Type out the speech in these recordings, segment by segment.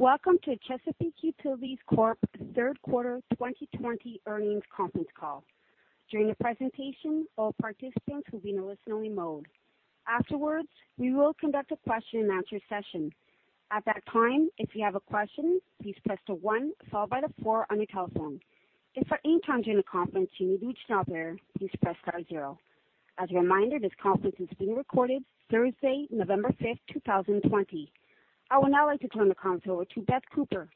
Welcome to the Chesapeake Utilities Corp. Q3 2020 Earnings Conference Call. During the presentation, all participants will be in a listening mode. Afterwards, we will conduct a Q&A session. At that time, if you have a question, please press the one, followed by the four on your telephone. If at any time during the conference you need to reach an operator, please press star zero. As a reminder, this conference is being recorded Thursday, November 5th, 2020. I would now like to turn the conference over to Beth Cooper.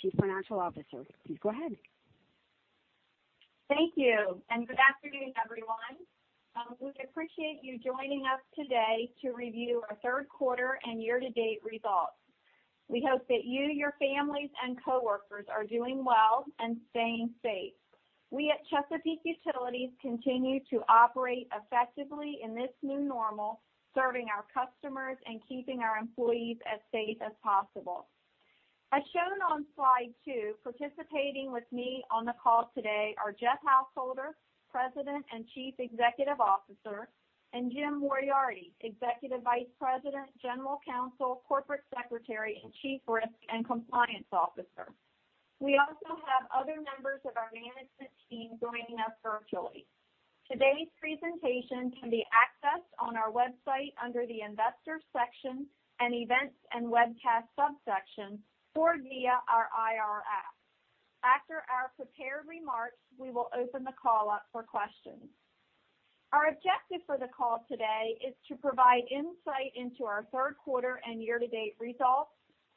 She's Chief Financial Officer. Please go ahead. Thank you, and good afternoon, everyone. We appreciate you joining us today to review our Q3 and year-to-date results. We hope that you, your families, and co-workers are doing well and staying safe. We at Chesapeake Utilities continue to operate effectively in this new normal, serving our customers and keeping our employees as safe as possible. As shown on slide two, participating with me on the call today are Jeff Householder, President and Chief Executive Officer, and James Moriarty, Executive Vice President, General Counsel, Corporate Secretary, and Chief Risk and Compliance Officer. We also have other members of our management team joining us virtually. Today's presentation can be accessed on our website under the Investor section and Events and Webcast subsection or via our IR app. After our prepared remarks, we will open the call up for questions. Our objective for the call today is to provide insight into our Q3 and year-to-date results,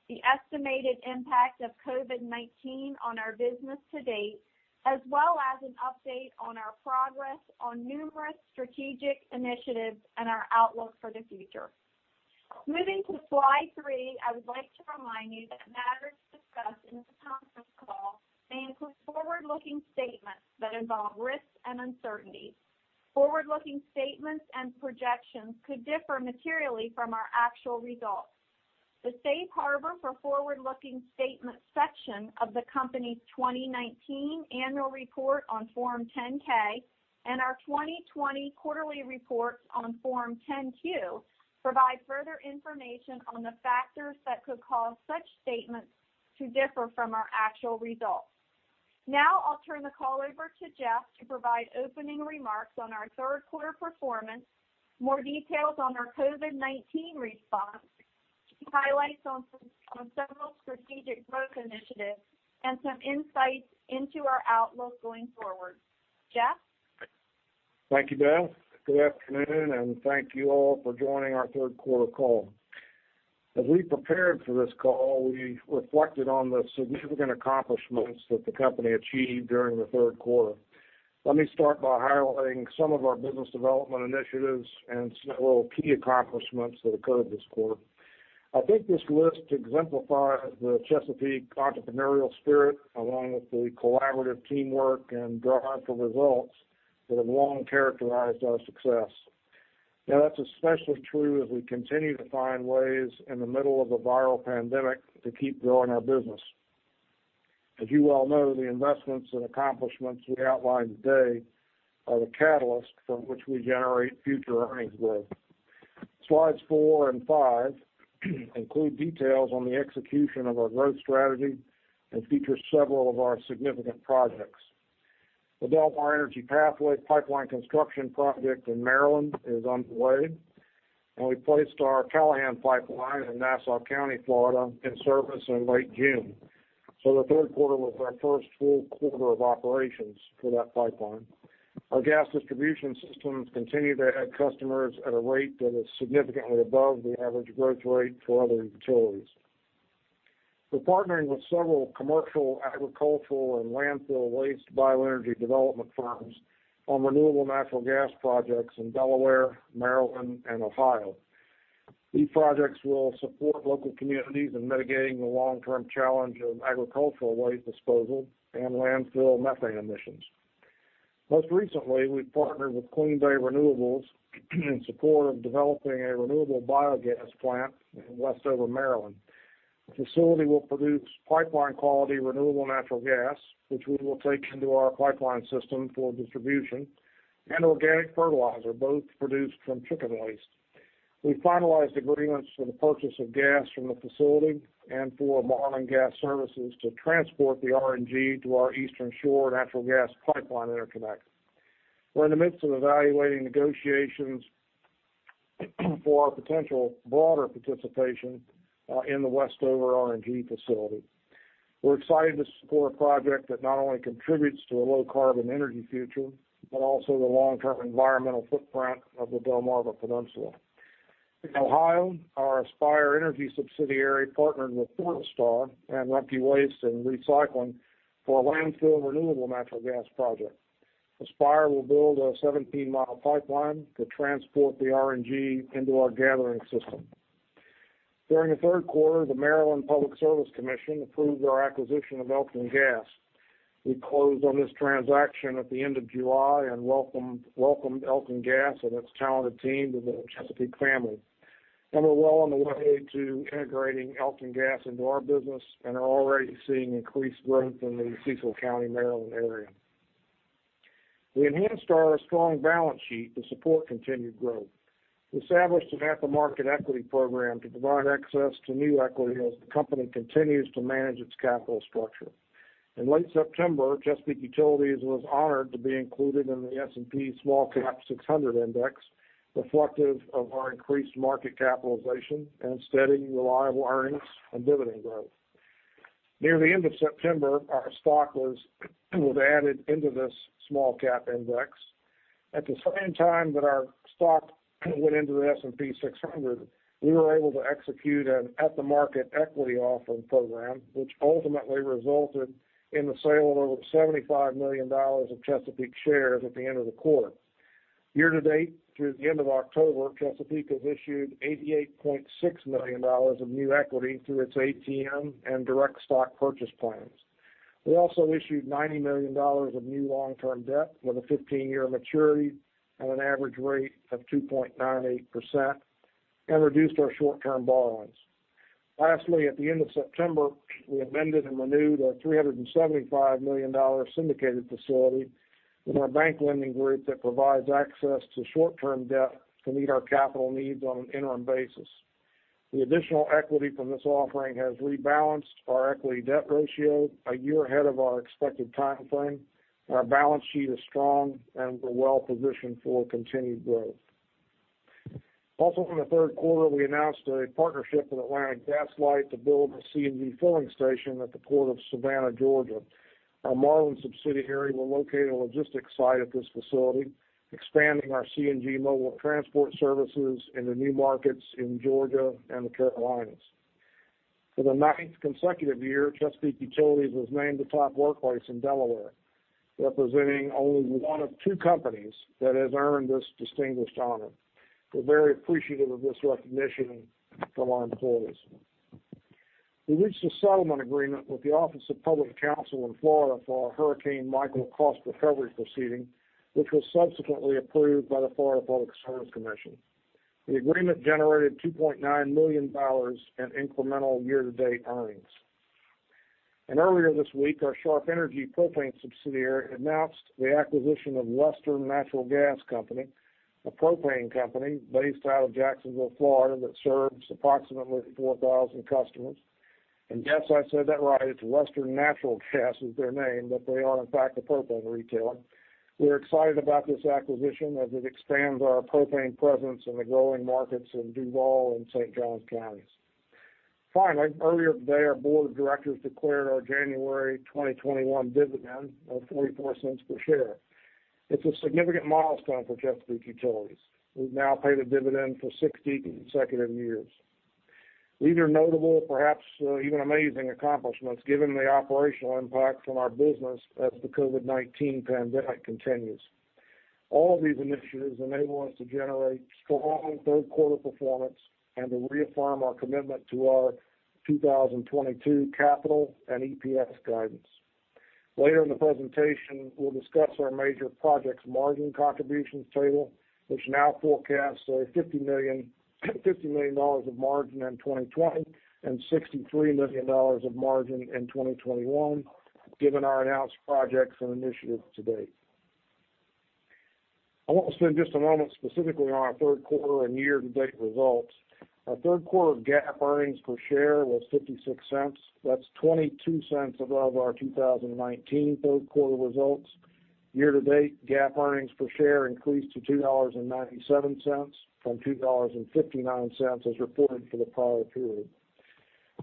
the estimated impact of COVID-19 on our business to date, as well as an update on our progress on numerous strategic initiatives and our outlook for the future. Moving to slide three, I would like to remind you that matters discussed in this conference call may include forward-looking statements that involve risks and uncertainties. Forward-looking statements and projections could differ materially from our actual results. The safe harbor for forward-looking statements section of the company's 2019 annual report on Form 10-K and our 2020 quarterly reports on Form 10-Q provide further information on the factors that could cause such statements to differ from our actual results. Now, I'll turn the call over to Jeff Householder to provide opening remarks on our Q3 performance, more details on our COVID-19 response, highlights on several strategic growth initiatives, and some insights into our outlook going forward. Jeff Householder? Thank you, Beth Cooper. Good afternoon, and thank you all for joining our Q3 call. As we prepared for this call, we reflected on the significant accomplishments that the company achieved during the Q3. Let me start by highlighting some of our business development initiatives and several key accomplishments that occurred this quarter. I think this list exemplifies the Chesapeake entrepreneurial spirit, along with the collaborative teamwork and drive for results that have long characterized our success. Now, that's especially true as we continue to find ways in the middle of a viral pandemic to keep growing our business. As you well know, the investments and accomplishments we outlined today are the catalyst for which we generate future earnings growth. Slides four and five include details on the execution of our growth strategy and feature several of our significant projects. The Del-Mar Energy Pathway pipeline construction project in Maryland is underway, and we placed our Callahan Intrastate Pipeline in Nassau County, Florida, in service in late June. So the Q3 was our first full quarter of operations for that pipeline. Our gas distribution systems continue to add customers at a rate that is significantly above the average growth rate for other utilities. We're partnering with several commercial, agricultural, and landfill waste bioenergy development firms on renewable natural gas projects in Delaware, Maryland, and Ohio. These projects will support local communities in mitigating the long-term challenge of agricultural waste disposal and landfill methane emissions. Most recently, we've partnered with CleanBay Renewables in support of developing a renewable biogas plant in Westover, Maryland. The facility will produce pipeline-quality renewable natural gas, which we will take into our pipeline system for distribution, and organic fertilizer, both produced from chicken waste. We finalized agreements for the purchase of gas from the facility and for Marlin Gas Services to transport the RNG to our Eastern Shore Natural Gas pipeline interconnect. We're in the midst of evaluating negotiations for our potential broader participation in the Westover RNG facility. We're excited to support a project that not only contributes to a low-carbon energy future but also the long-term environmental Delmarva Peninsula. In Ohio, our Aspire Energy subsidiary partnered with Fortistar and Rumpke Waste and Recycling for a landfill renewable natural gas project. Aspire will build a 17-mile pipeline to transport the RNG into our gathering system. During the Q3, the Maryland Public Service Commission approved our acquisition of Elkton Gas. We closed on this transaction at the end of July and welcomed Elkton Gas and its talented team to the Chesapeake family. We're well on the way to integrating Elkton Gas into our business and are already seeing increased growth in the Cecil County, Maryland area. We enhanced our strong balance sheet to support continued growth. We established an at-the-market equity program to provide access to new equity as the company continues to manage its capital structure. In late September, Chesapeake Utilities was honored to be included in the S&P SmallCap 600 Index, reflective of our increased market capitalization and steady, reliable earnings and dividend growth. Near the end of September, our stock was added into this S&P SmallCap 600 Index. At the same time that our stock went into the S&P SmallCap 600 Index, we were able to execute an at-the-market equity offering program, which ultimately resulted in the sale of over $75 million of Chesapeake shares at the end of the quarter. Year-to-date, through the end of October, Chesapeake has issued $88.6 million of new equity through its ATM and direct stock purchase plans. We also issued $90 million of new long-term debt with a 15-year maturity and an average rate of 2.98%, and reduced our short-term borrowings. Lastly, at the end of September, we amended and renewed our $375 million syndicated facility in our bank lending group that provides access to short-term debt to meet our capital needs on an interim basis. The additional equity from this offering has rebalanced our equity-debt ratio a year ahead of our expected timeframe. Our balance sheet is strong, and we're well positioned for continued growth. Also, in the Q3, we announced a partnership with Atlanta Gas Light to build a CNG filling station at the Port of Savannah, Georgia. Our Marlin subsidiary will locate a logistics site at this facility, expanding our CNG mobile transport services into new markets in Georgia and the Carolinas. For the ninth consecutive year, Chesapeake Utilities has named the top workplace in Delaware, representing only one of two companies that has earned this distinguished honor. We're very appreciative of this recognition from our employees. We reached a settlement agreement with the Office of Public Counsel in Florida for our Hurricane Michael Cost Recovery Proceeding which was subsequently approved by the Florida Public Service Commission. The agreement generated $2.9 million in incremental year-to-date earnings. Earlier this week, our Sharp Energy Propane subsidiary announced the acquisition of Western Natural Gas Company, a propane company based out of Jacksonville, Florida, that serves approximately 4,000 customers. Yes, I said that right. It's Western Natural Gas is their name, but they are, in fact, a propane retailer. We're excited about this acquisition as it expands our propane presence in the growing markets of Duval and St. Johns counties. Finally, earlier today, our board of directors declared our January 2021 dividend of $0.44 per share. It's a significant milestone for Chesapeake Utilities. We've now paid a dividend for 60 consecutive years. These are notable, perhaps even amazing, accomplishments given the operational impact from our business as the COVID-19 pandemic continues. All of these initiatives enable us to generate strong Q3 performance and to reaffirm our commitment to our 2022 capital and EPS guidance. Later in the presentation, we'll discuss our major project's margin contributions table, which now forecasts a $50 million of margin in 2020 and $63 million of margin in 2021, given our announced projects and initiatives to date. I want to spend just a moment specifically on our Q3 and year-to-date results. Our Q3 GAAP earnings per share was $0.56. That's $0.22 above our 2019 Q3 results. Year-to-date, GAAP earnings per share increased to $2.97 from $2.59 as reported for the prior period.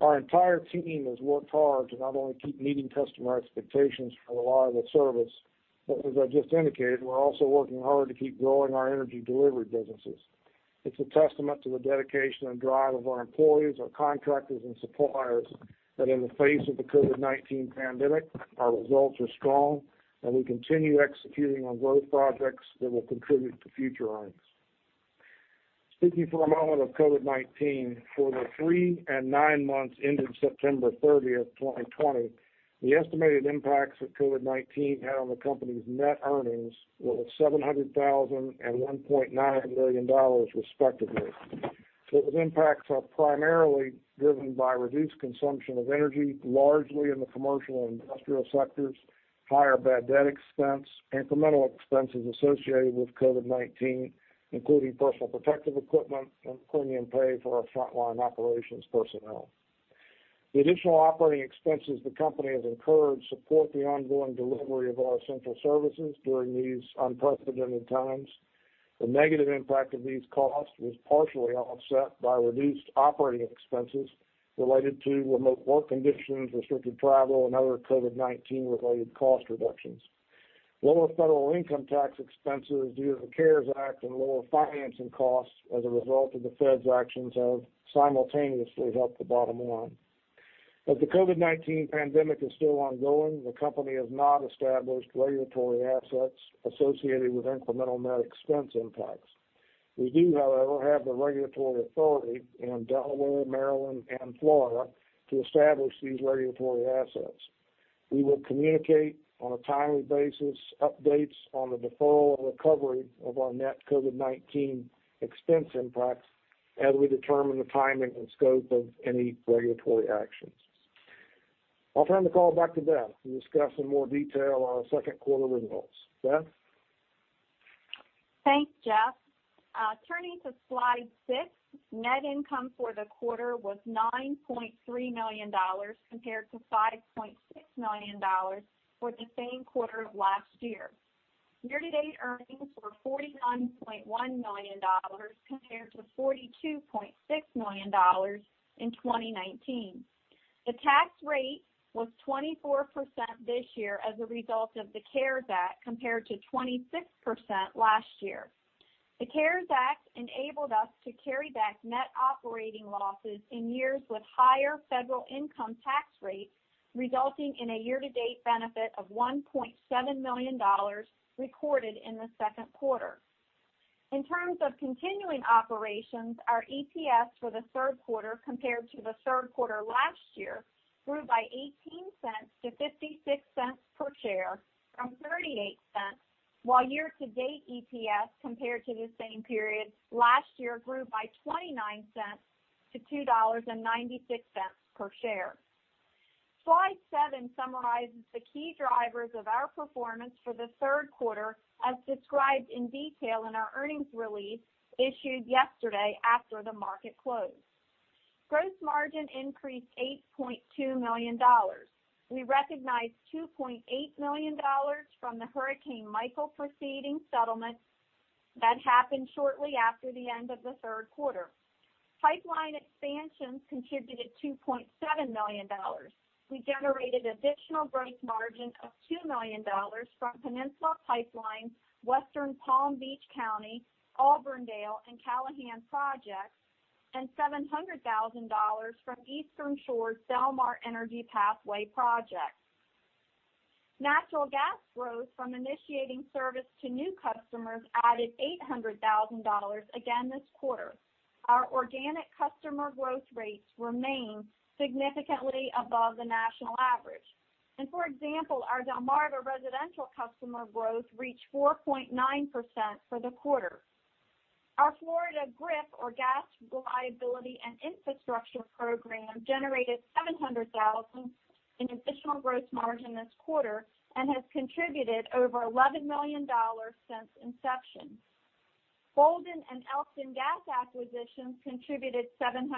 Our entire team has worked hard to not only keep meeting customer expectations for reliable service, but, as I just indicated, we're also working hard to keep growing our energy delivery businesses. It's a testament to the dedication and drive of our employees, our contractors, and suppliers that, in the face of the COVID-19 pandemic, our results are strong, and we continue executing on growth projects that will contribute to future earnings. Speaking for a moment of COVID-19, for the three and nine months ending September 30th, 2020, the estimated impacts that COVID-19 had on the company's net earnings were $700,000 and $1.9 million, respectively. Those impacts are primarily driven by reduced consumption of energy, largely in the commercial and industrial sectors, higher bad debt expense, incremental expenses associated with COVID-19, including personal protective equipment and premium pay for our frontline operations personnel. The additional operating expenses the company has incurred support the ongoing delivery of our essential services during these unprecedented times. The negative impact of these costs was partially offset by reduced operating expenses related to remote work conditions, restricted travel, and other COVID-19-related cost reductions. Lower federal income tax expenses due to the CARES Act and lower financing costs as a result of the Fed's actions have simultaneously helped the bottom line. As the COVID-19 pandemic is still ongoing, the company has not established regulatory assets associated with incremental net expense impacts. We do, however, have the regulatory authority in Delaware, Maryland, and Florida to establish these regulatory assets. We will communicate on a timely basis updates on the deferral and recovery of our net COVID-19 expense impacts as we determine the timing and scope of any regulatory actions. I'll turn the call back to Beth Cooper to discuss in more detail our Q2 results. Beth Cooper? Thanks, Jeff Householder. Turning to slide six, net income for the quarter was $9.3 million compared to $5.6 million for the same quarter of last year. Year-to-date earnings were $49.1 million compared to $42.6 million in 2019. The tax rate was 24% this year as a result of the CARES Act compared to 26% last year. The CARES Act enabled us to carry back net operating losses in years with higher federal income tax rates, resulting in a year-to-date benefit of $1.7 million recorded in the Q2. In terms of continuing operations, our EPS for the Q3 compared to the Q3 last year grew by $0.18 to $0.56 per share from $0.38, while year-to-date EPS compared to the same period last year grew by $0.29 to $2.96 per share. Slide seven summarizes the key drivers of our performance for the Q3, as described in detail in our earnings release issued yesterday after the market closed. Gross margin increased $8.2 million. We recognized $2.8 million from the Hurricane Michael Proceeding settlement that happened shortly after the end of the Q3. Pipeline expansions contributed $2.7 million. We generated additional gross margin of $2 million from Peninsula Pipeline, West Palm Beach County, Auburndale, and Callahan Intrastate Pipeline projects, and $700,000 from Eastern Shore Del-Mar Energy Pathway Projects. Natural gas growth from initiating service to new customers added $800,000 again this quarter. Our organic customer growth rates remain significantly above the national average. And for example, Delmarva residential customer growth reached 4.9% for the quarter. Our Florida GRIP, or Gas Reliability and Infrastructure Program, generated $700,000 in additional gross margin this quarter and has contributed over $11 million since inception. Boulden Brothers and Elkton Gas acquisitions contributed $700,000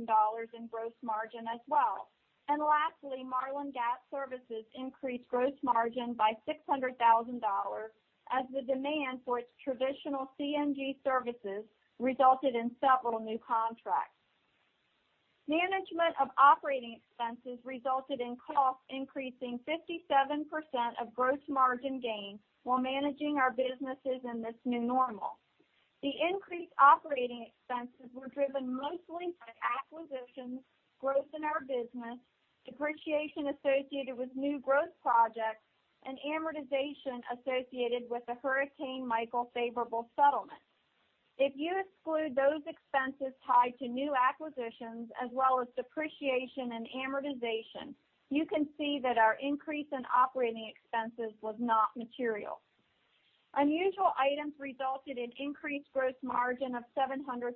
in gross margin as well. And lastly, Marlin Gas Services increased gross margin by $600,000 as the demand for its traditional CNG services resulted in several new contracts. Management of operating expenses resulted in costs increasing 57% of gross margin gain while managing our businesses in this new normal. The increased operating expenses were driven mostly by acquisitions, growth in our business, depreciation associated with new growth projects, and amortization associated with the Hurricane Michael favorable settlement. If you exclude those expenses tied to new acquisitions as well as depreciation and amortization, you can see that our increase in operating expenses was not material. Unusual items resulted in increased gross margin of $700,000.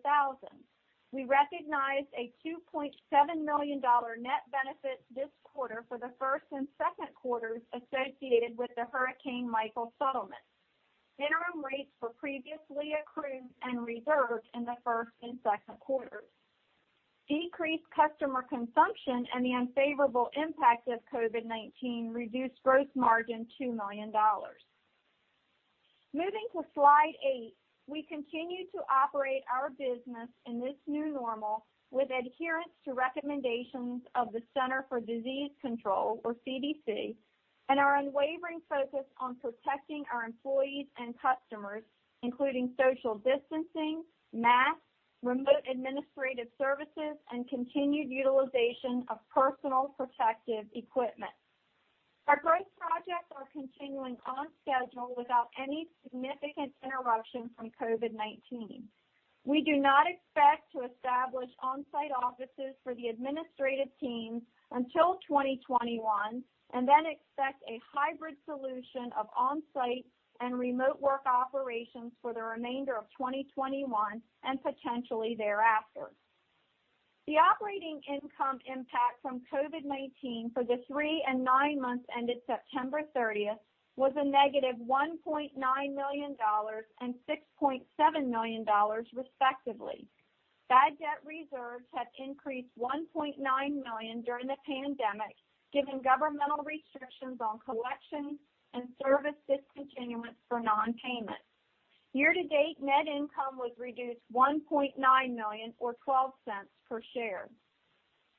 We recognized a $2.7 million net benefit this quarter for the Q1 and Q2 associated with the Hurricane Michael settlement, interim rates for previously accrued and reserved in the Q1 and Q2s. Decreased customer consumption and the unfavorable impact of COVID-19 reduced gross margin $2 million. Moving to slide eight, we continue to operate our business in this new normal with adherence to recommendations of the Centers for Disease Control and Prevention, or CDC, and our unwavering focus on protecting our employees and customers, including social distancing, masks, remote administrative services, and continued utilization of personal protective equipment. Our growth projects are continuing on schedule without any significant interruption from COVID-19. We do not expect to establish on-site offices for the administrative team until 2021 and then expect a hybrid solution of on-site and remote work operations for the remainder of 2021 and potentially there after. The operating income impact from COVID-19 for the three and nine months ended September 30th was a -$1.9 million and -$6.7 million, respectively. Bad debt reserves have increased $1.9 million during the pandemic, given governmental restrictions on collection and service discontinuance for non-payment. Year-to-date net income was reduced $1.9 million, or $0.12 per share.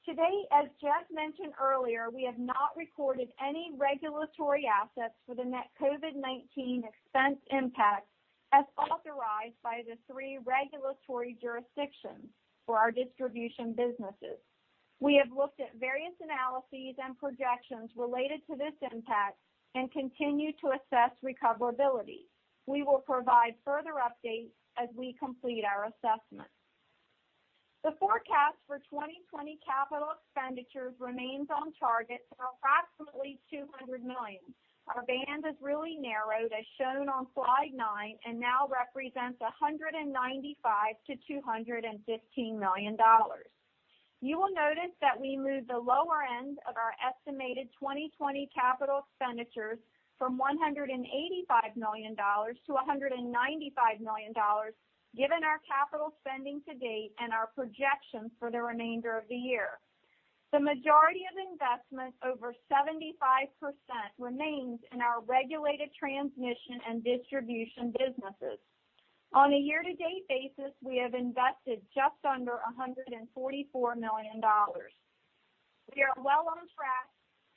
Today, as Jeff Householder mentioned earlier, we have not recorded any regulatory assets for the net COVID-19 expense impact as authorized by the three regulatory jurisdictions for our distribution businesses. We have looked at various analyses and projections related to this impact and continue to assess recoverability. We will provide further updates as we complete our assessment. The forecast for 2020 capital expenditures remains on target for approximately $200 million. Our band is really narrowed, as shown on slide nine, and now represents $195-$215 million. You will notice that we moved the lower end of our estimated 2020 capital expenditures from $185 million to $195 million, given our capital spending to date and our projections for the remainder of the year. The majority of investment, over 75%, remains in our regulated transmission and distribution businesses. On a year-to-date basis, we have invested just under $144 million. We are well on track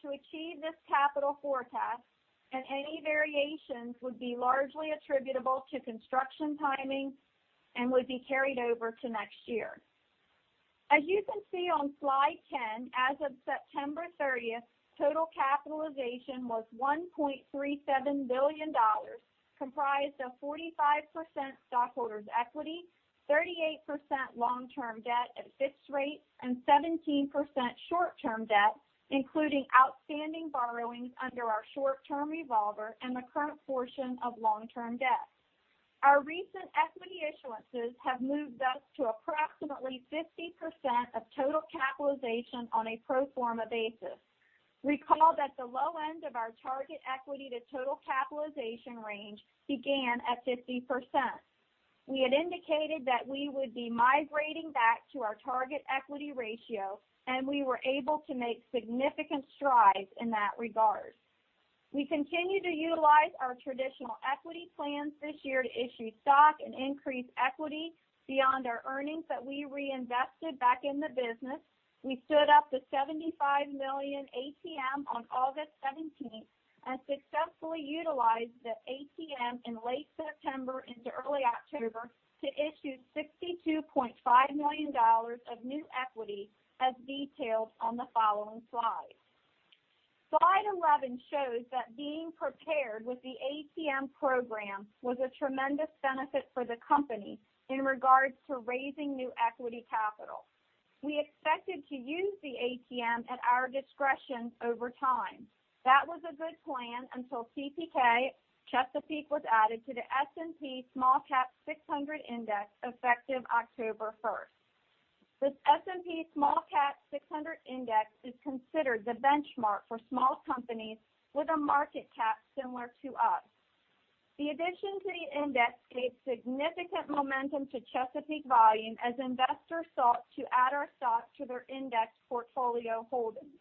to achieve this capital forecast, and any variations would be largely attributable to construction timing and would be carried over to next year. As you can see on slide 10, as of September 30th, total capitalization was $1.37 billion, comprised of 45% stockholders' equity, 38% long-term debt at fixed rates, and 17% short-term debt, including outstanding borrowings under our short-term revolver and the current portion of long-term debt. Our recent equity issuances have moved us to approximately 50% of total capitalization on a pro forma basis. Recall that the low-end of our target equity to total capitalization range began at 50%. We had indicated that we would be migrating back to our target equity ratio, and we were able to make significant strides in that regard. We continue to utilize our traditional equity plans this year to issue stock and increase equity beyond our earnings that we reinvested back in the business. We stood up the $75 million ATM on August 17th and successfully utilized the ATM in late September into early October to issue $62.5 million of new equity, as detailed on the following slide. Slide 11 shows that being prepared with the ATM program was a tremendous benefit for the company in regards to raising new equity capital. We expected to use the ATM at our discretion over time. That was a good plan until CPK Chesapeake was added to the S&P SmallCap 600 Index effective October 1st. The S&P SmallCap 600 Index is considered the benchmark for small companies with a market cap similar to us. The addition to the index gave significant momentum to Chesapeake volume as investors sought to add our stock to their index portfolio holdings.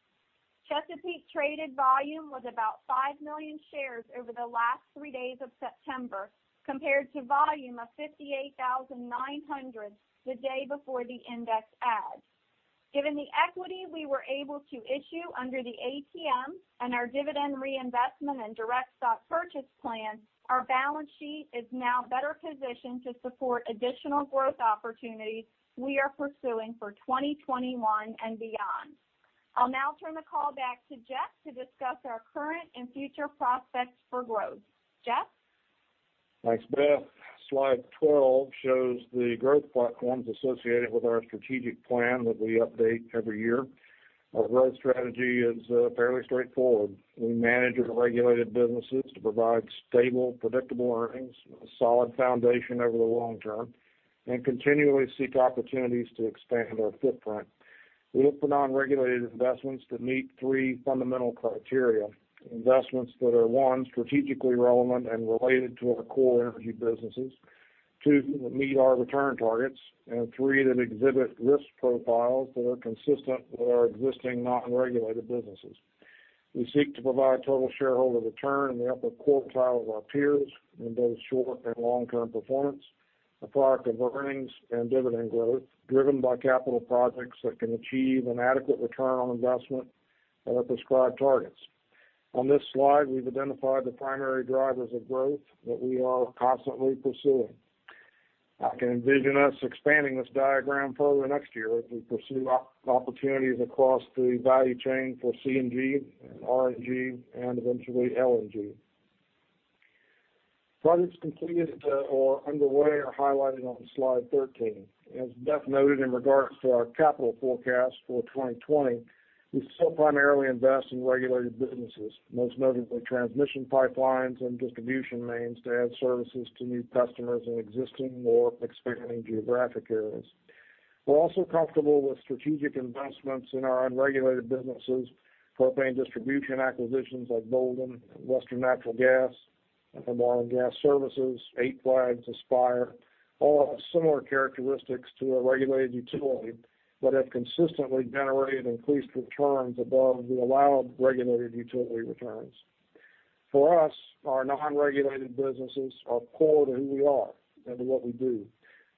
Chesapeake traded volume was about five million shares over the last three days of September, compared to volume of $58,900 the day before the index add. Given the equity we were able to issue under the ATM and our dividend reinvestment and direct stock purchase plan, our balance sheet is now better positioned to support additional growth opportunities we are pursuing for 2021 and beyond. I'll now turn the call back to Jeff Householder to discuss our current and future prospects for growth. Jeff Householder? Thanks, Beth Cooper. Slide 12 shows the growth platforms associated with our strategic plan that we update every year. Our growth strategy is fairly straightforward. We manage our regulated businesses to provide stable, predictable earnings, a solid foundation over the long term, and continually seek opportunities to expand our footprint. We look for non-regulated investments that meet three fundamental criteria: investments that are, one, strategically relevant and related to our core energy businesses; two, that meet our return targets; and three, that exhibit risk profiles that are consistent with our existing non-regulated businesses. We seek to provide total shareholder return in the upper quartile of our peers in both short and long-term performance, a product of earnings and dividend growth driven by capital projects that can achieve an adequate return on investment at our prescribed targets. On this slide, we've identified the primary drivers of growth that we are constantly pursuing. I can envision us expanding this diagram further next year as we pursue opportunities across the value chain for CNG and RNG and eventually LNG. Projects completed or underway are highlighted on slide 13. As Beth Cooper noted in regards to our capital forecast for 2020, we still primarily invest in regulated businesses, most notably transmission pipelines and distribution mains to add services to new customers in existing or expanding geographic areas. We're also comfortable with strategic investments in our unregulated businesses, propane distribution acquisitions like Boulden Brothers, Western Natural Gas, Marlin Gas Services, Eight Flags, Aspire, all have similar characteristics to a regulated utility but have consistently generated increased returns above the allowed regulated utility returns. For us, our non-regulated businesses are core to who we are and to what we do.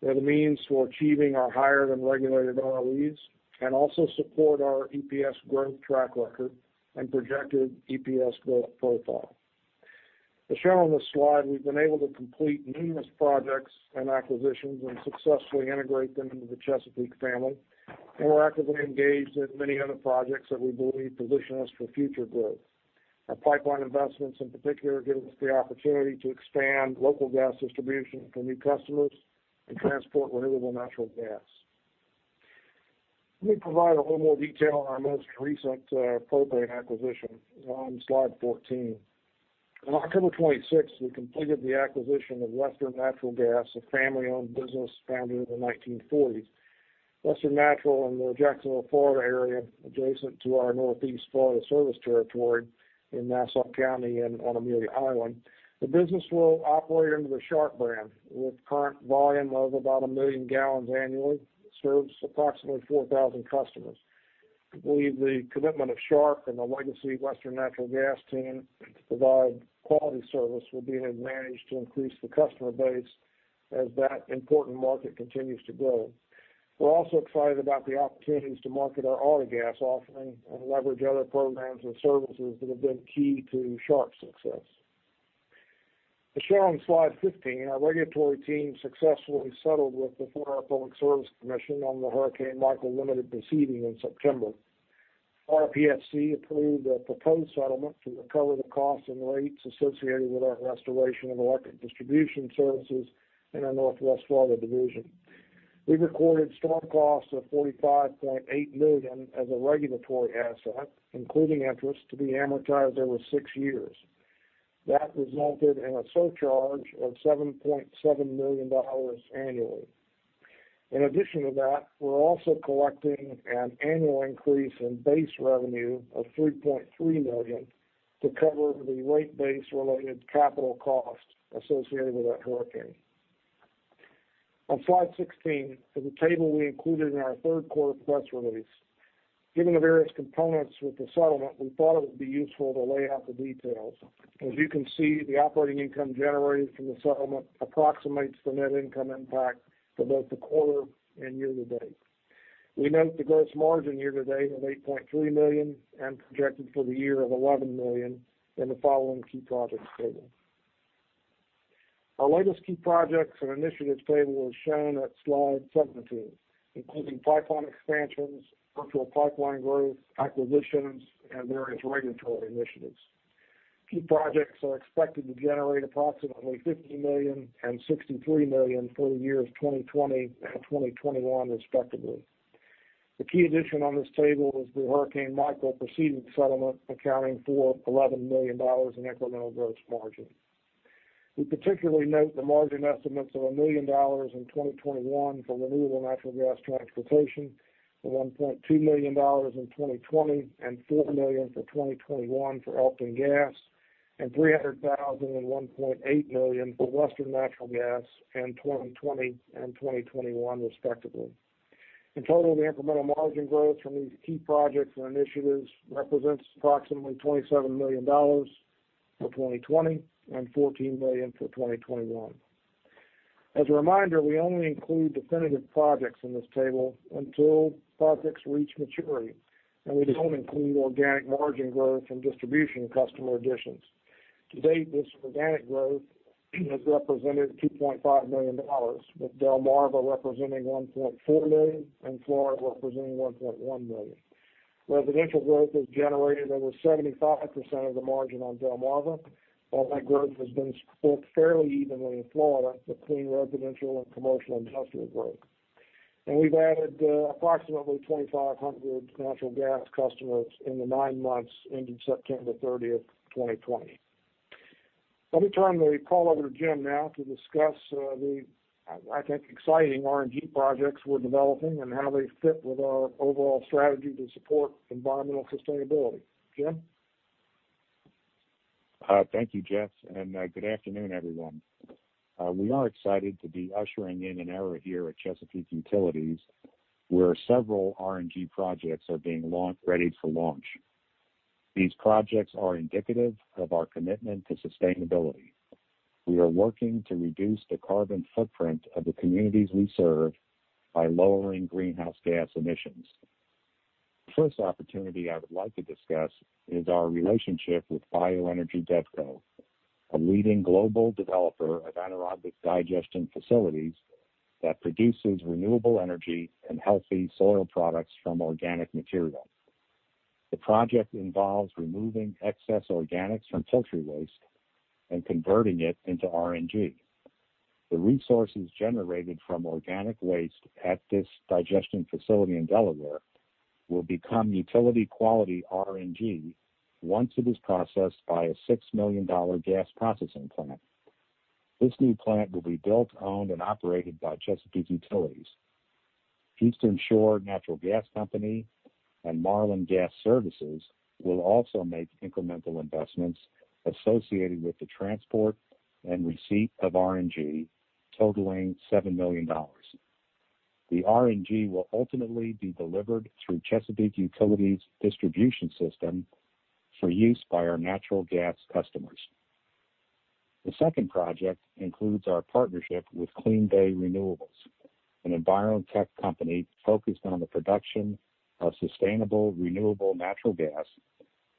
They're the means for achieving our higher-than-regulated ROEs and also support our EPS growth track record and projected EPS growth profile. As shown on this slide, we've been able to complete numerous projects and acquisitions and successfully integrate them into the Chesapeake family, and we're actively engaged in many other projects that we believe position us for future growth. Our pipeline investments, in particular, give us the opportunity to expand local gas distribution for new customers and transport renewable natural gas. Let me provide a little more detail on our most recent propane acquisition on slide 14. On October 26th, we completed the acquisition of Western Natural Gas, a family-owned business founded in the 1940s. Western Natural Gas in the Jacksonville, Florida area, adjacent to our Northeast Florida service territory in Nassau County and on Amelia Island. The business will operate under the Sharp Energy brand with current volume of about a million gallons annually, serves approximately 4,000 customers. We believe the commitment of Sharp Energy and the legacy Western Natural Gas team to provide quality service will be an advantage to increase the customer base as that important market continues to grow. We're also excited about the opportunities to market our autogas offering and leverage other programs and services that have been key to Sharp Energy's success. As shown on slide 15, our regulatory team successfully settled with the Florida Public Service Commission on the Hurricane Michael limited proceeding in September. FPSC approved a proposed settlement to recover the costs and rates associated with our restoration of electric distribution services in our Northwest Florida division. We recorded storm costs of $45.8 million as a regulatory asset, including interest to be amortized over six years. That resulted in a surcharge of $7.7 million annually. In addition to that, we're also collecting an annual increase in base revenue of $3.3 million to cover the rate-based related capital cost associated with that hurricane. On slide 16, there's a table we included in our Q3 press release. Given the various components with the settlement, we thought it would be useful to lay out the details. As you can see, the operating income generated from the settlement approximates the net income impact for both the quarter and year-to-date. We note the gross margin year-to-date of $8.3 million and projected for the year of $11 million in the following key projects table. Our latest key projects and initiatives table is shown at slide 17, including pipeline expansions, virtual pipeline growth, acquisitions, and various regulatory initiatives. Key projects are expected to generate approximately $50 million and $63 million for the years 2020 and 2021, respectively. The key addition on this table is the Hurricane Michael proceeding settlement, accounting for $11 million in incremental gross margin. We particularly note the margin estimates of $1 million in 2021 for renewable natural gas transportation, $1.2 million in 2020, and $4 million for 2021 for Elkton Gas, and $300,000 and $1.8 million for Western Natural Gas in 2020 and 2021, respectively. In total, the incremental margin growth from these key projects and initiatives represents approximately $27 million for 2020 and $14 million for 2021. As a reminder, we only include definitive projects in this table until projects reach maturity, and we don't include organic margin growth and distribution customer additions. To date, this organic growth has represented Delmarva Peninsula representing $1.4 million and Florida representing $1.1 million. Residential growth has generated over 75% of Delmarva Peninsula, while that growth has been split fairly evenly in Florida between residential and commercial industrial growth, and we've added approximately 2,500 natural gas customers in the nine months ending September 30th, 2020. Let me turn the call over to James Moriarty now to discuss the, I think, exciting RNG projects we're developing and how they fit with our overall strategy to support environmental sustainability. James Moriarty? Thank you, Jeff Householder, and good afternoon, everyone. We are excited to be ushering in an era here at Chesapeake Utilities, where several RNG projects are being ready for launch. These projects are indicative of our commitment to sustainability. We are working to reduce the carbon footprint of the communities we serve by lowering greenhouse gas emissions. The first opportunity I would like to discuss is our relationship with Bioenergy DevCo, a leading global developer of anaerobic digestion facilities that produces renewable energy and healthy soil products from organic material. The project involves removing excess organics from poultry waste and converting it into RNG. The resources generated from organic waste at this digestion facility in Delaware will become utility-quality RNG once it is processed by a $6 million gas processing plant. This new plant will be built, owned, and operated by Chesapeake Utilities. Eastern Shore Natural Gas Company and Marlin Gas Services will also make incremental investments associated with the transport and receipt of RNG, totaling $7 million. The RNG will ultimately be delivered through Chesapeake Utilities' distribution system for use by our natural gas customers. The second project includes our partnership with CleanBay Renewables, an environmental tech company focused on the production of sustainable renewable natural gas,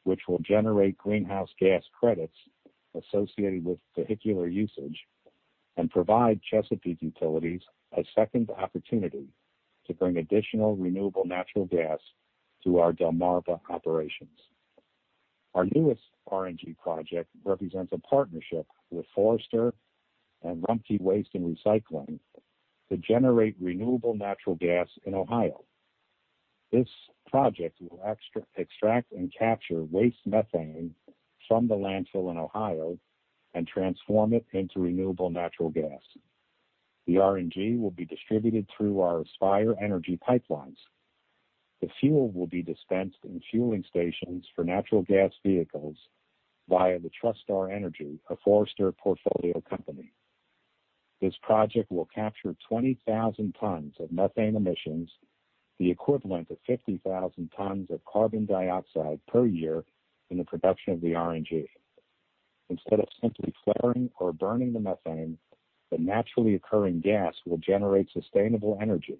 which will generate greenhouse gas credits associated with vehicular usage and provide Chesapeake Utilities a second opportunity to bring additional renewable natural Delmarva Peninsula operations. Our newest RNG project represents a partnership with Fortistar and Rumpke Waste and Recycling to generate renewable natural gas in Ohio. This project will extract and capture waste methane from the landfill in Ohio and transform it into renewable natural gas. The RNG will be distributed through our Aspire Energy pipelines. The fuel will be dispensed in fueling stations for natural gas vehicles via the TruStar Energy, a Fortistar portfolio company. This project will capture 20,000 tons of methane emissions, the equivalent of 50,000 tons of carbon dioxide per year in the production of the RNG. Instead of simply flaring or burning the methane, the naturally occurring gas will generate sustainable energy,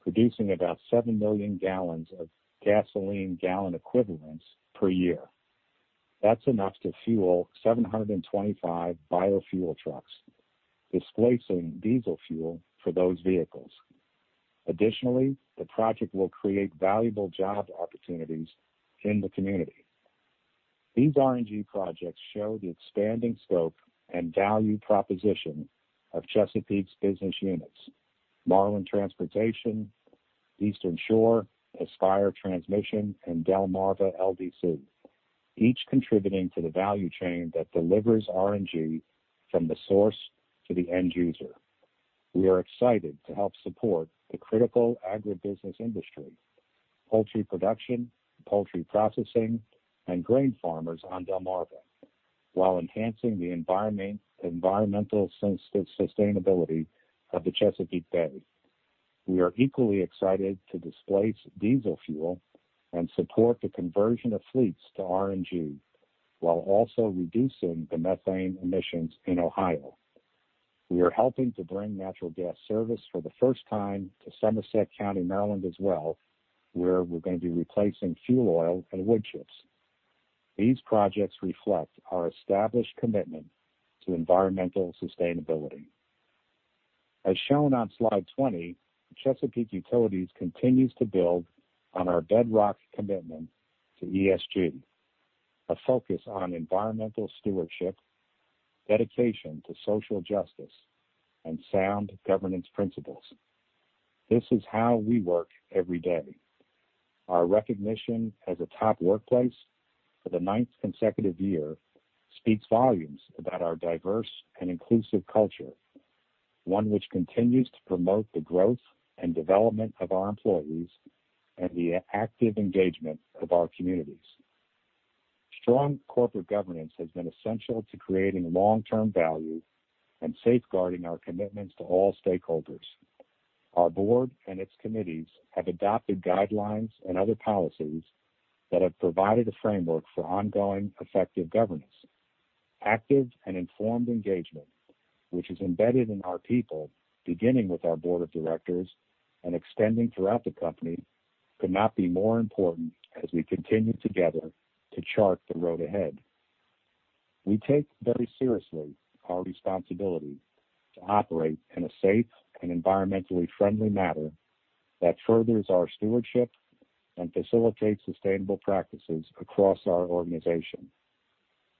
producing about 7 million gallons of gasoline gallon equivalents per year. That's enough to fuel 725 biofuel trucks, displacing diesel fuel for those vehicles. Additionally, the project will create valuable job opportunities in the community. These RNG projects show the expanding scope and value proposition of Chesapeake's business units: Marlin Gas Services, Eastern Shore Natural Gas, Delmarva Peninsula LDC, each contributing to the value chain that delivers RNG from the source to the end user. We are excited to help support the critical agribusiness industry, poultry production, poultry processing, and growing farmers on Delmarva Peninsula, while enhancing the environmental sustainability of the Chesapeake Bay. We are equally excited to displace diesel fuel and support the conversion of fleets to RNG, while also reducing the methane emissions in Ohio. We are helping to bring natural gas service for the first time to Somerset County, Maryland as well, where we're going to be replacing fuel oil and wood chips. These projects reflect our established commitment to environmental sustainability. As shown on slide 20, Chesapeake Utilities continues to build on our bedrock commitment to ESG, a focus on environmental stewardship, dedication to social justice, and sound governance principles. This is how we work every day. Our recognition as a top workplace for the ninth consecutive year speaks volumes about our diverse and inclusive culture, one which continues to promote the growth and development of our employees and the active engagement of our communities. Strong corporate governance has been essential to creating long-term value and safeguarding our commitments to all stakeholders. Our board and its committees have adopted guidelines and other policies that have provided a framework for ongoing effective governance. Active and informed engagement, which is embedded in our people, beginning with our board of directors and extending throughout the company, could not be more important as we continue together to chart the road ahead. We take very seriously our responsibility to operate in a safe and environmentally friendly manner that furthers our stewardship and facilitates sustainable practices across our organization.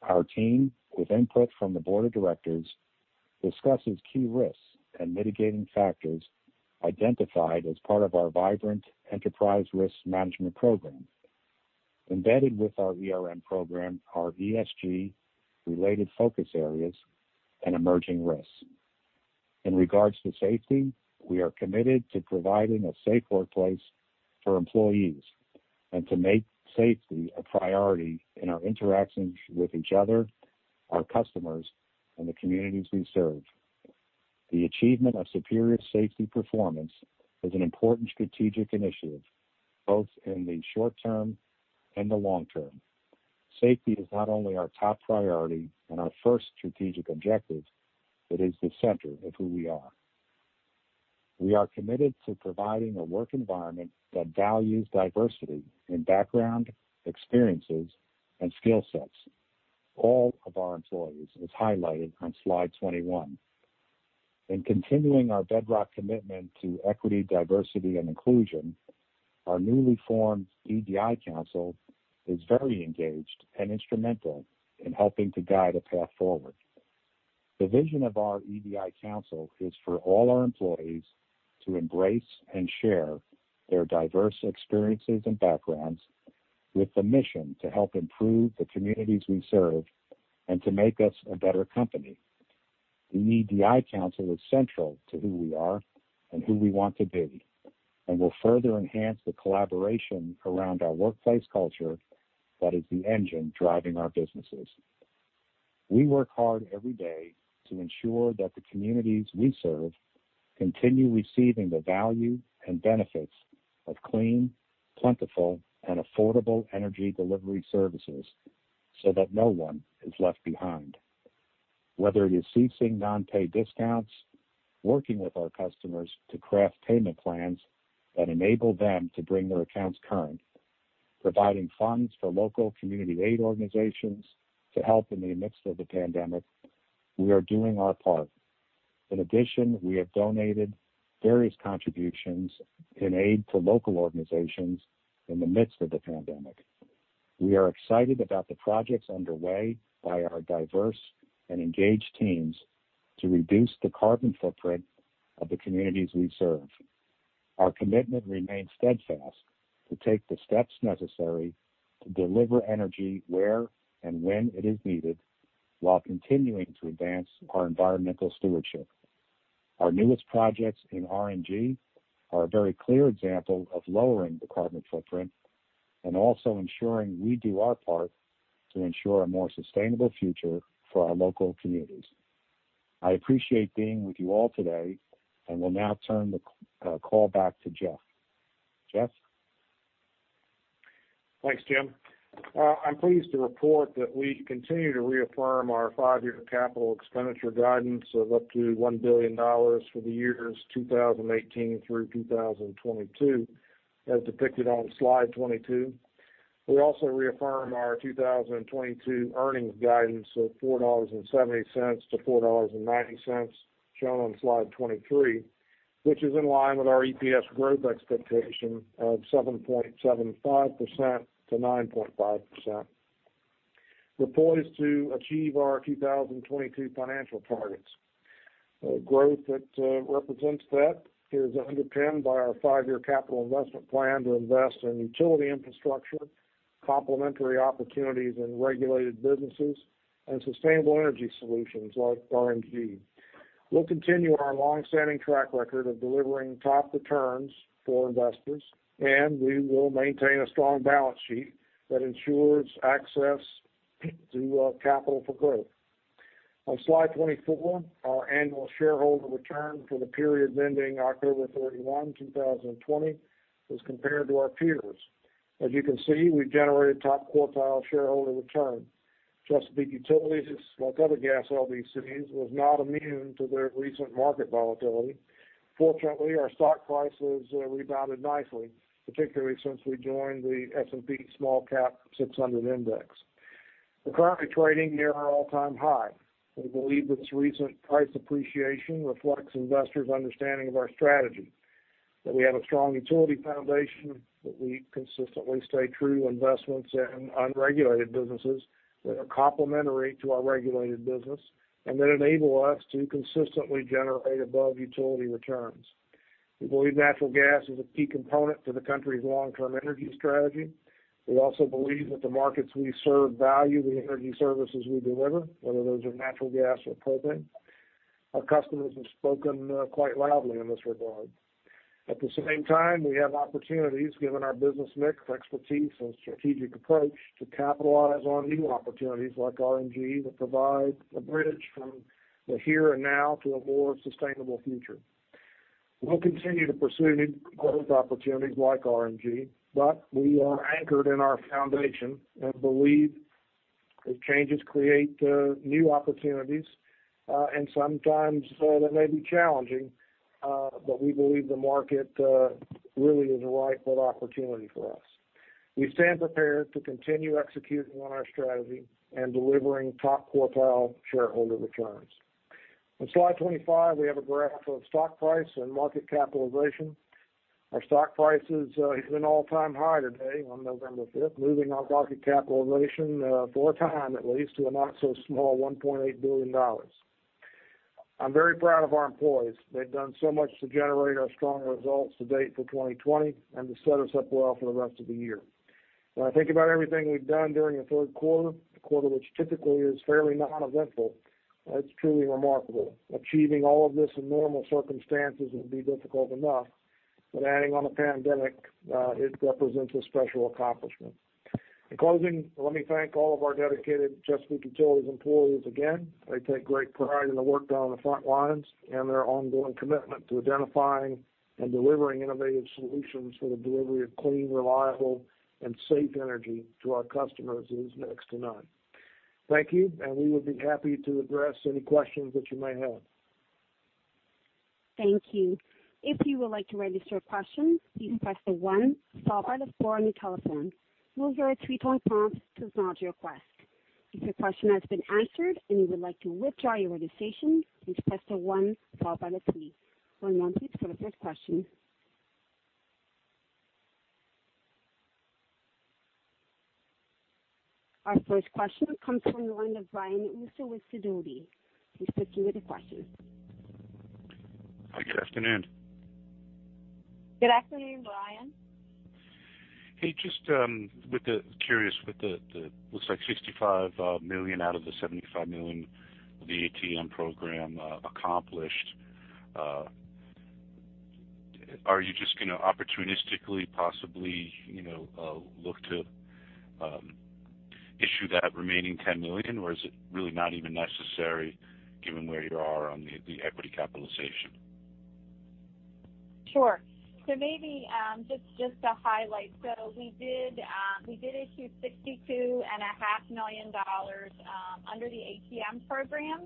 Our team, with input from the board of directors, discusses key risks and mitigating factors identified as part of our vibrant enterprise risk management program, embedded with our program, our ESG-related focus areas, and emerging risks. In regards to safety, we are committed to providing a safe workplace for employees and to make safety a priority in our interactions with each other, our customers, and the communities we serve. The achievement of superior safety performance is an important strategic initiative, both in the short term and the long term. Safety is not only our top priority and our first strategic objective. It is the center of who we are. We are committed to providing a work environment that values diversity in background, experiences, and skill sets. All of our employees is highlighted on slide 21. In continuing our bedrock commitment to equity, diversity, and inclusion, our newly formed EDI Council is very engaged and instrumental in helping to guide a path forward. The vision of our EDI Council is for all our employees to embrace and share their diverse experiences and backgrounds with the mission to help improve the communities we serve and to make us a better company. The EDI Council is central to who we are and who we want to be, and will further enhance the collaboration around our workplace culture that is the engine driving our businesses. We work hard every day to ensure that the communities we serve continue receiving the value and benefits of clean, plentiful, and affordable energy delivery services so that no one is left behind. Whether it is ceasing non-pay discounts, working with our customers to craft payment plans that enable them to bring their accounts current, providing funds for local community aid organizations to help in the midst of the pandemic, we are doing our part. In addition, we have donated various contributions in aid to local organizations in the midst of the pandemic. We are excited about the projects underway by our diverse and engaged teams to reduce the carbon footprint of the communities we serve. Our commitment remains steadfast to take the steps necessary to deliver energy where and when it is needed, while continuing to advance our environmental stewardship. Our newest projects in RNG are a very clear example of lowering the carbon footprint and also ensuring we do our part to ensure a more sustainable future for our local communities. I appreciate being with you all today, and we'll now turn the call back to Jeff Householder. Jeff Householder? Thanks, James Moriarty. I'm pleased to report that we continue to reaffirm our five-year capital expenditure guidance of up to $1 billion for the years 2018 through 2022, as depicted on slide 22. We also reaffirm our 2022 earnings guidance of $4.70-$4.90, shown on slide 23, which is in line with our EPS growth expectation of 7.75%-9.5%. We're poised to achieve our 2022 financial targets. The growth that represents that is underpinned by our five-year capital investment plan to invest in utility infrastructure, complementary opportunities in regulated businesses, and sustainable energy solutions like RNG. We'll continue our long-standing track record of delivering top returns for investors, and we will maintain a strong balance sheet that ensures access to capital for growth. On slide 24, our annual shareholder return for the period ending October 31st, 2020, was compared to our peers. As you can see, we've generated top quartile shareholder return. Chesapeake Utilities, like other gas LDCs, was not immune to the recent market volatility. Fortunately, our stock prices rebounded nicely, particularly since we joined the S&P SmallCap 600 Index. We're currently trading near our all-time high. We believe this recent price appreciation reflects investors' understanding of our strategy, that we have a strong utility foundation, that we consistently stay true to investments in unregulated businesses that are complementary to our regulated business, and that enable us to consistently generate above-utility returns. We believe natural gas is a key component to the country's long-term energy strategy. We also believe that the markets we serve value the energy services we deliver, whether those are natural gas or propane. Our customers have spoken quite loudly in this regard. At the same time, we have opportunities, given our business mix, expertise, and strategic approach, to capitalize on new opportunities like RNG that provide a bridge from the here and now to a more sustainable future. We'll continue to pursue new growth opportunities like RNG, but we are anchored in our foundation and believe that changes create new opportunities, and sometimes they may be challenging, but we believe the market really is a right-fit opportunity for us. We stand prepared to continue executing on our strategy and delivering top quartile shareholder returns. On slide 25, we have a graph of stock price and market capitalization. Our stock price is at an all-time high today on November 5th, moving our market capitalization for a time, at least, to a not-so-small $1.8 billion. I'm very proud of our employees. They've done so much to generate our strong results to date for 2020 and to set us up well for the rest of the year. When I think about everything we've done during the Q3, a quarter which typically is fairly non-eventful, it's truly remarkable. Achieving all of this in normal circumstances would be difficult enough, but adding on the pandemic, it represents a special accomplishment. In closing, let me thank all of our dedicated Chesapeake Utilities employees again. They take great pride in the work done on the front lines and their ongoing commitment to identifying and delivering innovative solutions for the delivery of clean, reliable, and safe energy to our customers is next to none. Thank you, and we would be happy to address any questions that you may have. Thank you. If you would like to register a question, please press the one followed by the four on your telephone. You will hear a three-tone prompt to acknowledge your question. If your question has been answered and you would like to withdraw your registration, please press the one followed by the three. One moment, please, for the first question. Our first question comes from the line of Brian Russo with Sidoti & Company. Please proceed with the question. Hi, good afternoon. Good afternoon, Brian Russo. Hey, just curious with the, looks like $65 million out of the $75 million of the ATM program accomplished. Are you just going to opportunistically, possibly look to issue that remaining $10 million, or is it really not even necessary given where you are on the equity capitalization? Sure. So maybe just to highlight, so we did issue $62.5 million under the ATM program.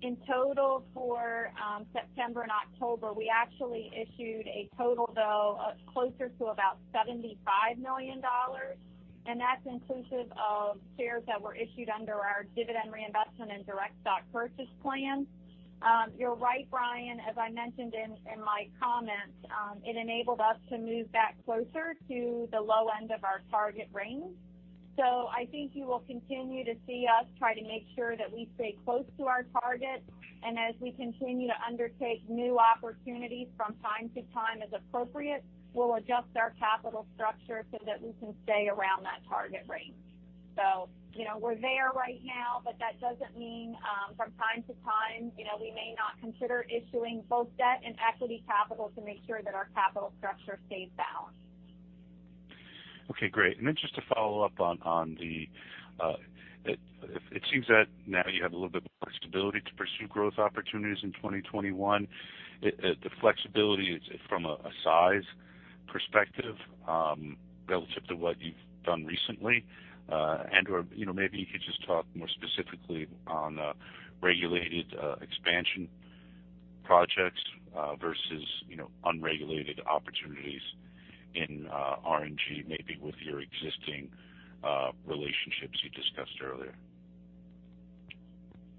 In total for September and October, we actually issued a total though closer to about $75 million, and that's inclusive of shares that were issued under our Dividend Reinvestment and Direct Stock Purchase Plan. You're right, Brian Russo. As I mentioned in my comments, it enabled us to move back closer to the low end of our target range. So I think you will continue to see us try to make sure that we stay close to our target, and as we continue to undertake new opportunities from time to time as appropriate, we'll adjust our capital structure so that we can stay around that target range. So we're there right now, but that doesn't mean from time to time we may not consider issuing both debt and equity capital to make sure that our capital structure stays balanced. Okay, great. And then just to follow up on the, it seems that now you have a little bit more flexibility to pursue growth opportunities in 2021. The flexibility is from a size perspective relative to what you've done recently, and/or maybe you could just talk more specifically on regulated expansion projects versus unregulated opportunities in RNG, maybe with your existing relationships you discussed earlier.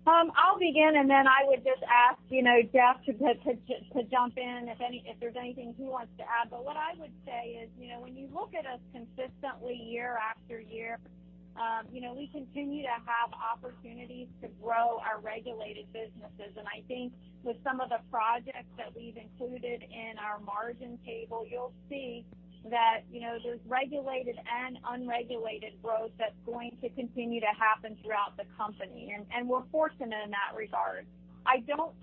I'll begin, and then I would just ask Jeff Householder to jump in if there's anything he wants to add. But what I would say is when you look at us consistently year after year, we continue to have opportunities to grow our regulated businesses. And I think with some of the projects that we've included in our margin table, you'll see that there's regulated and unregulated growth that's going to continue to happen throughout the company, and we're fortunate in that regard. I don't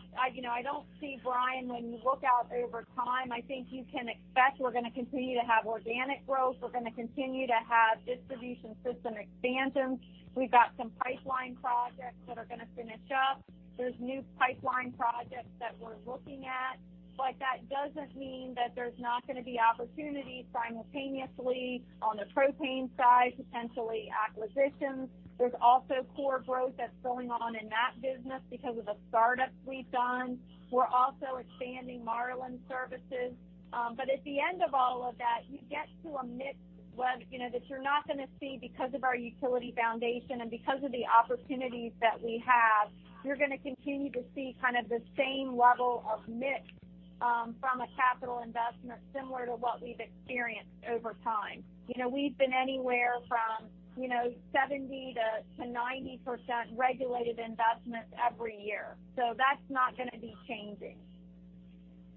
see, Brian Russo, when you look out over time, I think you can expect we're going to continue to have organic growth. We're going to continue to have distribution system expansions. We've got some pipeline projects that are going to finish up. There's new pipeline projects that we're looking at, but that doesn't mean that there's not going to be opportunities simultaneously on the propane side, potentially acquisitions. There's also core growth that's going on in that business because of the startups we've done. We're also expanding Marlin Gas Services. But at the end of all of that, you get to a mix that you're not going to see because of our utility foundation and because of the opportunities that we have. You're going to continue to see kind of the same level of mix from a capital investment similar to what we've experienced over time. We've been anywhere from 70%-90% regulated investments every year. So that's not going to be changing.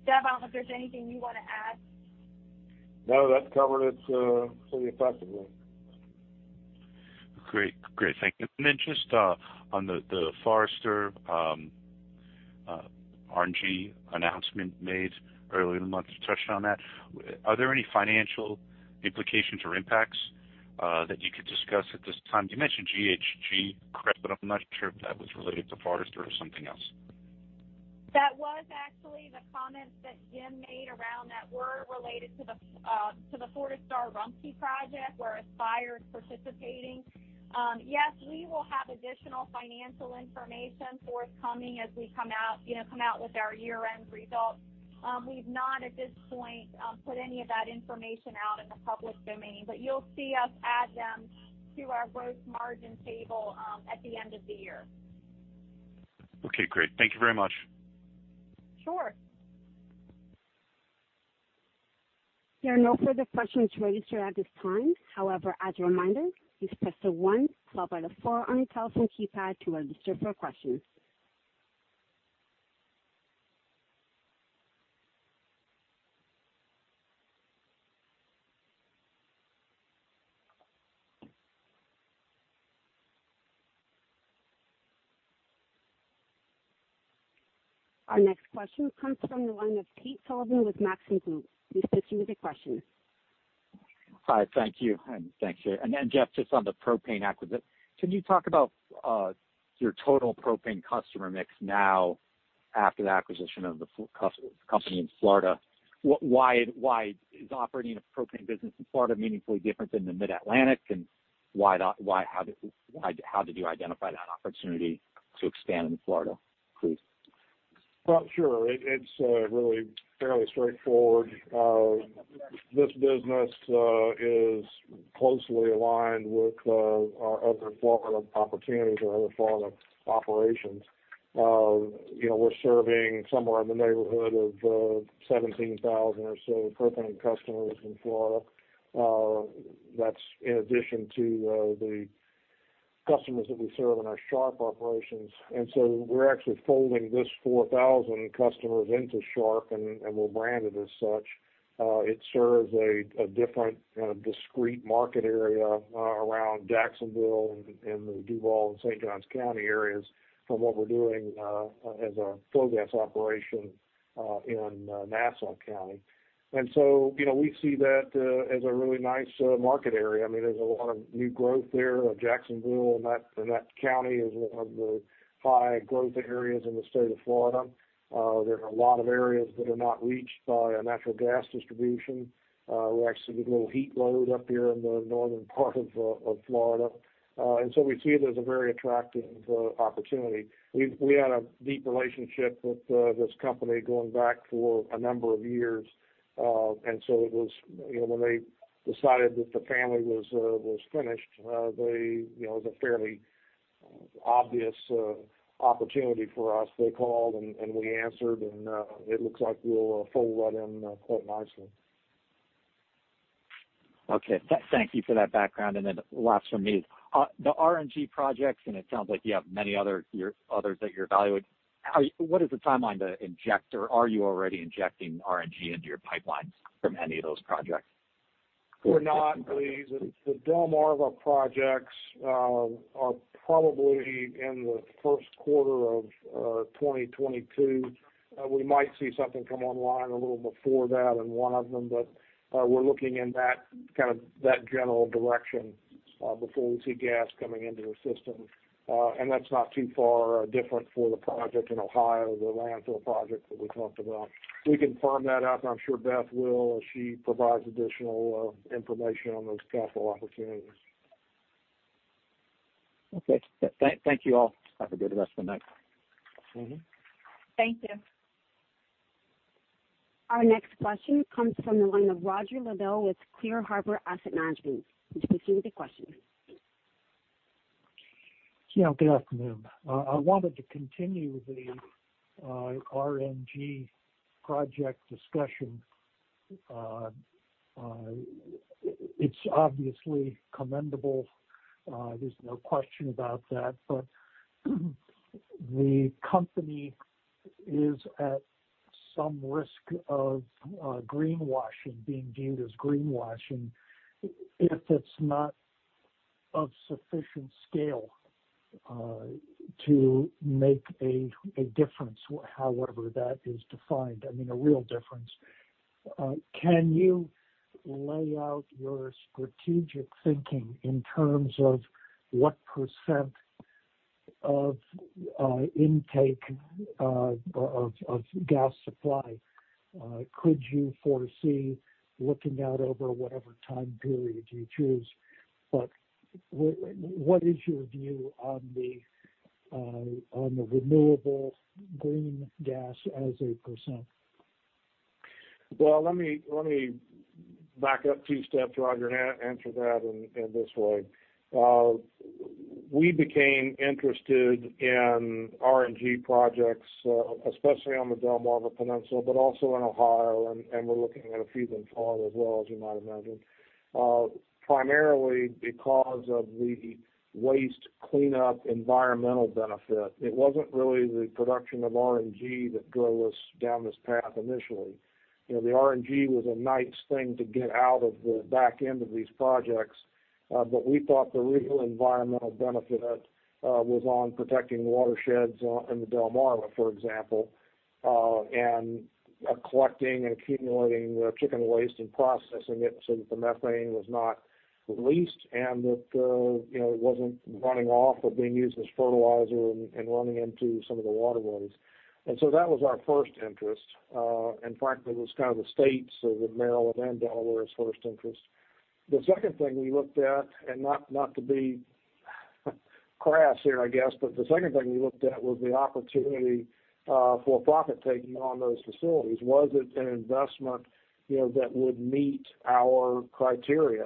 Jeff Householder, if there's anything you want to add. No, that's covered it pretty effectively. Great. Great. Thank you. And then just on the Fortistar RNG announcement made earlier in the month, you touched on that. Are there any financial implications or impacts that you could discuss at this time? You mentioned GHG credit, but I'm not sure if that was related to Fortistar or something else. That was actually the comments that James Moriarty made around that were related to the Fortistar RNG project where Aspire is participating. Yes, we will have additional financial information forthcoming as we come out with our year-end results. We've not, at this point, put any of that information out in the public domain, but you'll see us add them to our gross margin table at the end of the year. Okay. Great. Thank you very much. Sure. There are no further questions registered at this time. However, as a reminder, please press the one followed by then four on your telephone keypad to register for questions. Our next question comes from the line of Tate Sullivan with Maxim Group. Please proceed with your question. Hi. Thank you. And thanks here. And then, Jeff Householder, just on the propane acquisition, can you talk about your total propane customer mix now after the acquisition of the company in Florida? Why is operating a propane business in Florida meaningfully different than the Mid-Atlantic, and how did you identify that opportunity to expand in Florida, please? Sure. It's really fairly straightforward. This business is closely aligned with our other Florida opportunities or other Florida operations. We're serving somewhere in the neighborhood of 17,000 or so propane customers in Florida. That's in addition to the customers that we serve in our Sharp Energy operations. We're actually folding this 4,000 customers into Sharp Energy, and we're branded as such. It serves a different and a discrete market area around Jacksonville and the Duval and St. Johns County areas from what we're doing as a natural gas operation in Nassau County. We see that as a really nice market area. I mean, there's a lot of new growth there. Jacksonville in that county is one of the high growth areas in the state of Florida. There are a lot of areas that are not reached by a natural gas distribution. We actually get a little heat load up here in the northern part of Florida. And so we see it as a very attractive opportunity. We had a deep relationship with this company going back for a number of years. And so it was when they decided that the family was finished, it was a fairly obvious opportunity for us. They called, and we answered, and it looks like we'll fold right in quite nicely. Okay. Thank you for that background. And then last from me, the RNG projects, and it sounds like you have many others that you're evaluating. What is the timeline to inject, or are you already injecting RNG into your pipelines from any of those projects? We're Del-Mar Energy Pathway Projects projects are probably in the Q1 of 2022. We might see something come online a little before that in one of them, but we're looking in that kind of general direction before we see gas coming into the system. And that's not too far different for the project in Ohio, the landfill project that we talked about. We can firm that up, and I'm sure Beth Cooper will as she provides additional information on those capital opportunities. Okay. Thank you all. Have a good rest of the night. Thank you. Our next question comes from the line of Roger Liddell with Clear Harbor Asset Management. Please proceed with your question. Yeah. Good afternoon. I wanted to continue the RNG project discussion. It's obviously commendable. There's no question about that, but the company is at some risk of greenwashing, being viewed as greenwashing if it's not of sufficient scale to make a difference, however that is defined, I mean, a real difference. Can you lay out your strategic thinking in terms of what % of intake of gas supply could you foresee looking out over whatever time period you choose? But what is your view on the renewable green gas as a %? Let me back up two steps, Roger Liddell, and answer that in this way. We became interested in RNG projects, Delmarva Peninsula, but also in Ohio, and we're looking at a few in Florida as well, as you might imagine. Primarily because of the waste cleanup environmental benefit. It wasn't really the production of RNG that drove us down this path initially. The RNG was a nice thing to get out of the back end of these projects, but we thought the real environmental benefit was on protecting watersheds in Delmarva Peninsula, for example, and collecting and accumulating the chicken waste and processing it so that the methane was not released and that it wasn't running off or being used as fertilizer and running into some of the waterways. And so that was our first interest. Frankly, it was kind of the states of Maryland and Delaware's first interest. The second thing we looked at, and not to be crass here, I guess, but the second thing we looked at was the opportunity for profit-taking on those facilities. Was it an investment that would meet our criteria?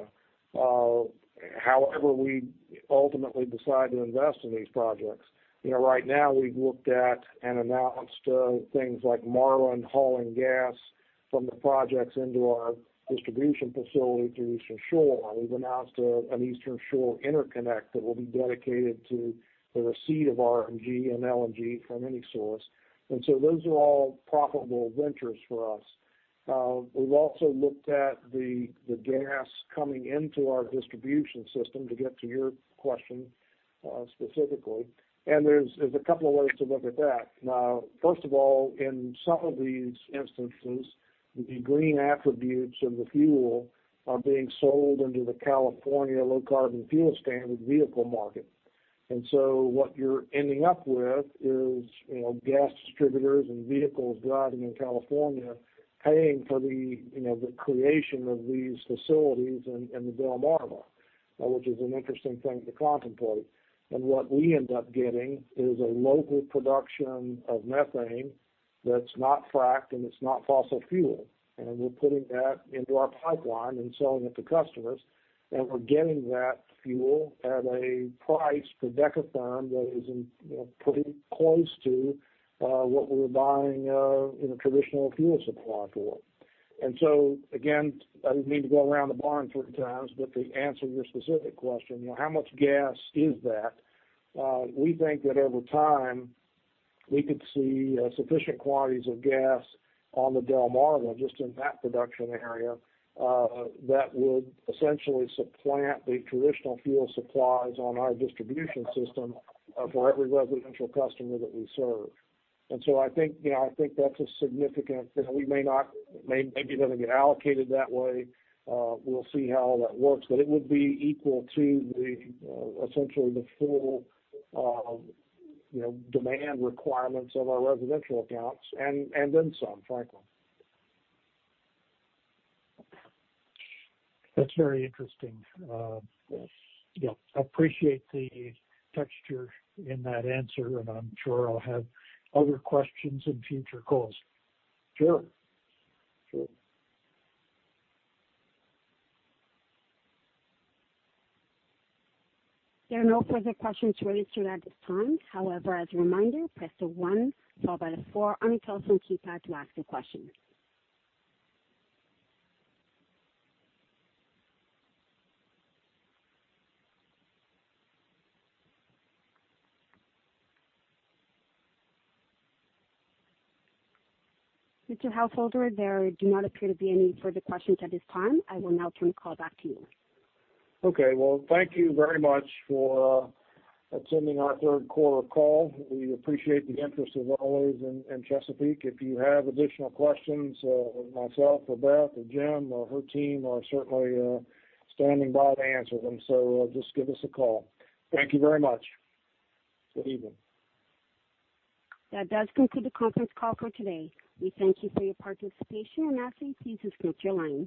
However, we ultimately decided to invest in these projects. Right now, we've looked at and announced things like Marlin hauling gas from the projects into our distribution facility through Eastern Shore. We've announced an Eastern Shore interconnect that will be dedicated to the receipt of RNG and LNG from any source. So those are all profitable ventures for us. We've also looked at the gas coming into our distribution system to get to your question specifically. There's a couple of ways to look at that. Now, first of all, in some of these instances, the green attributes of the fuel are being sold into the California Low Carbon Fuel Standard vehicle market. And so what you're ending up with is gas distributors and vehicles driving in California paying for the creation of these facilities in Delmarva Peninsula, which is an interesting thing to contemplate. And what we end up getting is a local production of methane that's not fracked and it's not fossil fuel. And we're putting that into our pipeline and selling it to customers. And we're getting that fuel at a price per dekatherm that is pretty close to what we're buying traditional fuel supply for. And so, again, I didn't mean to go around the barn three times, but to answer your specific question, how much gas is that? We think that over time, we could see sufficient quantities of gas in Delmarva Peninsula just in that production area that would essentially supplant the traditional fuel supplies on our distribution system for every residential customer that we serve, and so I think that's a significant thing. We may not be able to get allocated that way. We'll see how all that works, but it would be equal to essentially the full demand requirements of our residential accounts and then some, frankly. That's very interesting. Yeah. I appreciate the texture in that answer, and I'm sure I'll have other questions in future calls. Sure. Sure. There are no further questions registered at this time. However, as a reminder, press the one followed by the four on your telephone keypad to ask your question. Mr. Jeff Householder, there do not appear to be any further questions at this time. I will now turn the call back to you. Okay. Well, thank you very much for attending our Q3 call. We appreciate the interest as always in Chesapeake. If you have additional questions with myself or Beth Cooper or James Moriarty or her team, we're certainly standing by to answer them. So just give us a call. Thank you very much. Good evening. That does conclude the conference call for today. We thank you for your participation, and ask that you please disconnect your line.